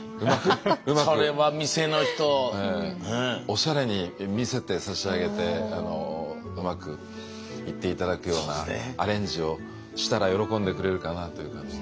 おしゃれに見せてさしあげてうまくいって頂くようなアレンジをしたら喜んでくれるかなという感じ。